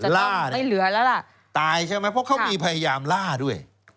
ล่าเนี่ยตายใช่ไหมเพราะเขามีพยายามล่าด้วย